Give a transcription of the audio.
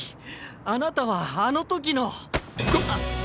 あなたはあの時の。